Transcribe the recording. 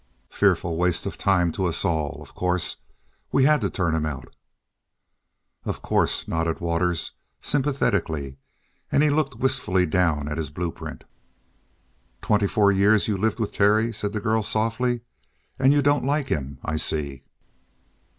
Fearful waste of time to us all of course, we had to turn him out." "Of course," nodded Waters sympathetically, and he looked wistfully down at his blueprint. "Twenty four years you lived with Terry," said the girl softly, "and you don't like him, I see."